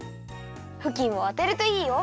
ふきんをあてるといいよ。